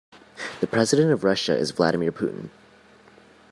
The president of Russia is Vladimir Putin.